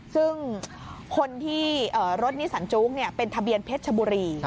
ซึ่งคนที่รถนิสันโจ๊กเป็นทะเบียนเพชรชบุรี